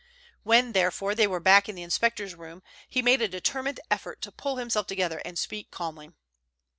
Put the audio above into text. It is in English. When, therefore, they were back in the inspector's room, he made a determined effort to pull himself together and speak calmly.